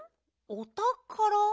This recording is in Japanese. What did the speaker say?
「おたから」？